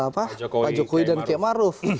pak jokowi dan kiai maruf